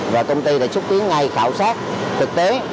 và công ty đã xúc tiến ngay khảo sát thực tế